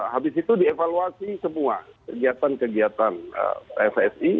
habis itu dievaluasi semua kegiatan kegiatan fsi